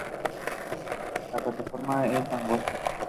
La plataforma es angosta.